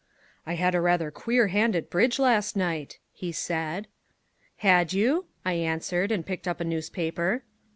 "I had a rather queer hand at bridge last night," he said. "Had you?" I answered, and picked up a newspaper.